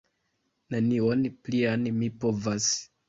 Nenion plian mi povas!